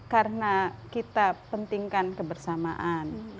karena kita pentingkan kebersamaan